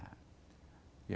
jangan ada dusta di antara kita